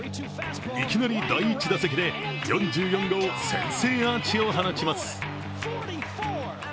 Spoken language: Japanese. いきなり第１打席で４４号先制アーチを放ちます。